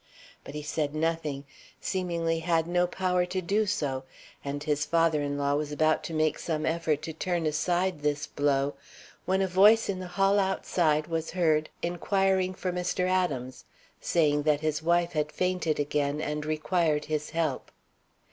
But he said nothing, seemingly had no power to do so, and his father in law was about to make some effort to turn aside this blow when a voice in the hall outside was heard inquiring for Mr. Adams, saying that his wife had fainted again and required his help.